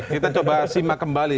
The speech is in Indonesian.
kita coba simak kembali